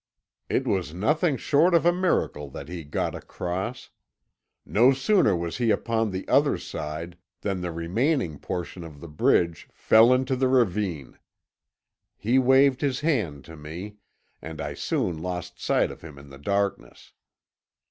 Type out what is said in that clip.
It was nothing short of a miracle that he got across; no sooner was he upon the other side than the remaining portion of the bridge fell into the ravine. He waved his hand to me, and I soon lost sight of him in the darkness.